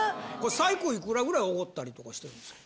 最高いくらぐらい奢ったりとかしてるんですか。